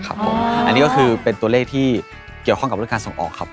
ถ้าบ้างก็เป็นข้าขายภายในประเทศนะครับ